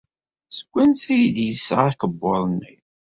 Seg wansi ay d-yesɣa akebbuḍ-nni?